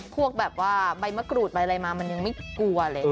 พวกแบบว่าใบมะกรูดใบอะไรมามันยังไม่กลัวเลย